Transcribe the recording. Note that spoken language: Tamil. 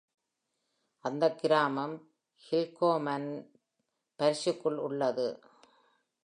அந்தக் கிராமம் Kilchomanன் Parishக்குள் உள்ளது.